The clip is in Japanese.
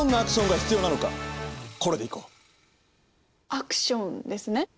アクションですね？